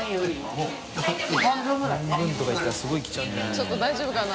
ちょっと大丈夫かな？